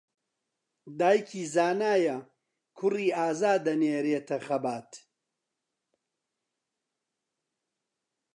دایکی زانایە کوڕی ئازا دەنێرێتە خەبات